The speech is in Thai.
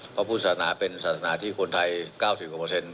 พระพุทธศาสนาเป็นศาสนาที่คนไทย๙๐กว่าเปอร์เซ็นต